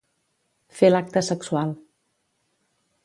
Fer l'acte sexual.